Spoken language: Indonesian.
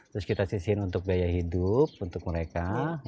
terus kita sisihin untuk biaya hidup untuk mereka